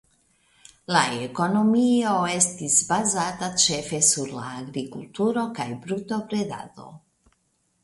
La ekonomio estis bazata ĉefe sur la agrikulturo kaj brutobredado.